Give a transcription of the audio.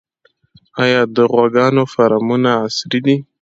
آیا د غواګانو فارمونه عصري دي؟